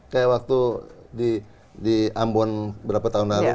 kayak waktu di ambon berapa tahun lalu